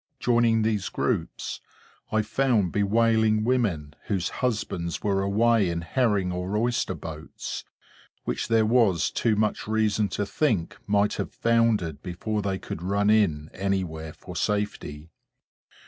Joining these groups, I found bewailing women whose husbands were away in herring or oyster boats, which there was too much reason to think might have foundered before they could run in anywhere for safety.